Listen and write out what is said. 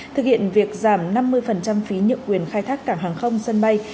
thực hiện việc giảm năm mươi phí nhượng quyền khai thác cảng hàng không sân bay